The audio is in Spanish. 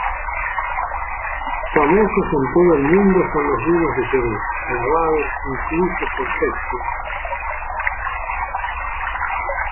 Famosos en todo el mundo son los vinos de Jerez, alabados incluso por Shakespeare.